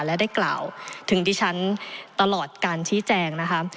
และได้กล่าวถึงดิฉันตลอดการชี้แจงนะคะ